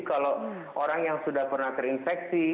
kalau orang yang sudah pernah terinfeksi